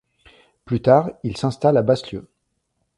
Plus tard, il s'installe à Baslieux.